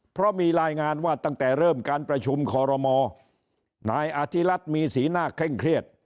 เพราะมีรายงานว่าตั้งแต่เริ่มการประชุมคอรมอนายอธิรัฐมีสีหน้าเคร่งเครียด